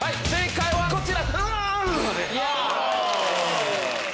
正解はこちら！